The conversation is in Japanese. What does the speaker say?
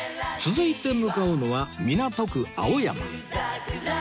続いて向かうのは港区青山